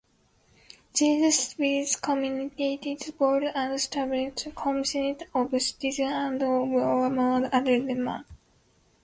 These civic committees, board and authorities consist of citizens and one or more alderman.